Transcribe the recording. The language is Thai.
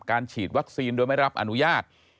ฉีดวัคซีนโดยไม่รับอนุญาต